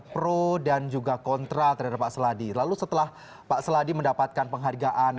pro dan juga kontra terhadap pak seladi lalu setelah pak seladi mendapatkan penghargaan